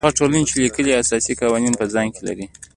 هغه ټولنې چې لیکلي اساسي قوانین په ځان کې لري.